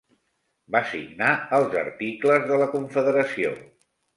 Va signar els Articles de la Confederació.